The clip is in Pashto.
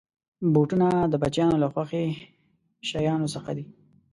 بوټونه د بچیانو له خوښې شيانو څخه دي.